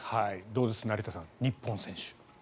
どうですか成田さん日本選手。